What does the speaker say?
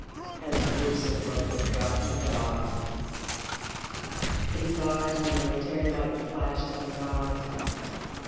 Has Lucifer forgotten God?" He sighed, and a momentary light flashed in his eyes.